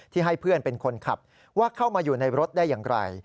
ให้เพื่อนเป็นคนขับว่าเข้ามาอยู่ในรถได้อย่างไร